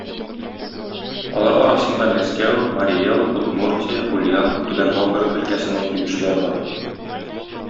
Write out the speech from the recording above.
Алар арасында Мәскәү, Мари Эл, Удмуртия, Ульян, Түбән Новгород өлкәсеннән килүчеләр бар.